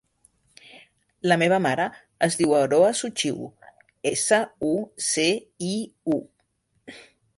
La meva mare es diu Aroa Suciu: essa, u, ce, i, u.